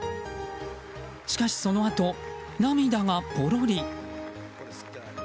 しかし、そのあと涙がポロリ。